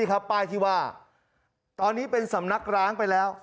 ป้ายที่ว่าตอนนี้เป็นสำนักร้างไปแล้ว